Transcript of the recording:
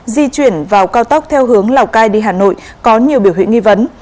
di chuyển vào cao tốc theo hướng lào cai đi hà nội có nhiều biểu hiện nghi vấn